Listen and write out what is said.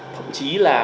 thậm chí là